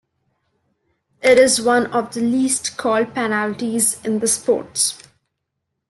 It is one of the least-called penalties in the sport.